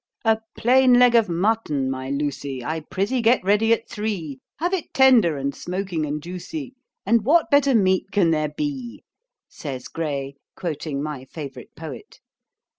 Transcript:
'"A plain leg of mutton, my Lucy, I prythee get ready at three; Have it tender, and smoking, and juicy, And what better meat can there be?"' says Gray, quoting my favourite poet.